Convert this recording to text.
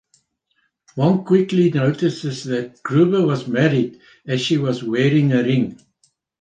Monk quickly notices that Gruber was married, as she was wearing a ring.